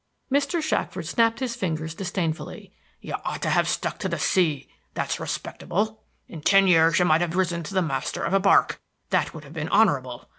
Mr. Shackford snapped his fingers disdainfully. "You ought to have stuck to the sea; that's respectable. In ten years you might have risen to be master of a bark; that would have been honorable.